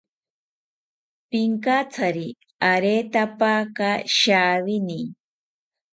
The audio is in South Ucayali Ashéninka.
Pinkatsari aretapaka shawini